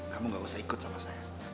kamu gak usah ikut sama saya